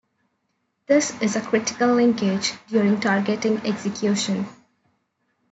This is a critical linkage during targeting execution.